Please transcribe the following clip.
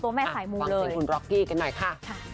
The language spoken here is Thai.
ตัวแม่ไขมูเลยค่ะฟังสิ่งของคุณล็อกกี้กันหน่อยค่ะ